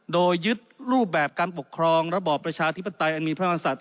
โดยยึดรูปแบบการปกครองระบอบประชาธิปไตยอันมีพระมหาศัตริย์